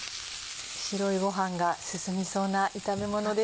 白いご飯が進みそうな炒めものです。